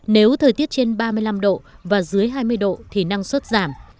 nếu thời tiết trên ba mươi năm độ và dưới hai mươi độ thì năng suất giảm